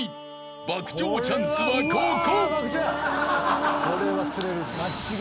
［爆釣チャンスはここ！］